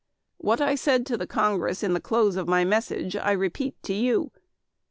What I said to the Congress in the close of my message I repeat to you.